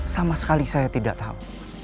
sama sekali saya tidak tahu